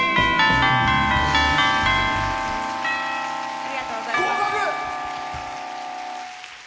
ありがとうございます。